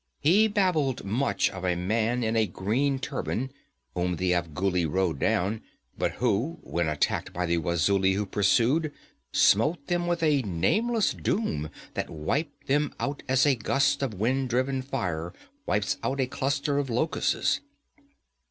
He babbled much of a man in a green turban whom the Afghuli rode down, but who, when attacked by the Wazulis who pursued, smote them with a nameless doom that wiped them out as a gust of wind driven fire wipes out a cluster of locusts.